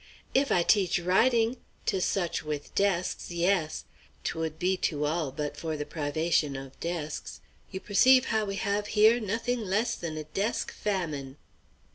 "If I teach writing? To such with desks, yes. 'Twould be to all but for the privation of desks. You perceive how we have here nothing less than a desk famine.